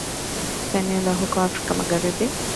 katika eneo la huko Afrika magharibi